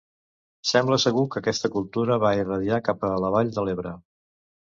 Sembla segur que aquesta cultura va irradiar cap a la vall de l'Ebre.